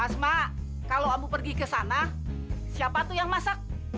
asma kalau ambu pergi ke sana siapa tuh yang masak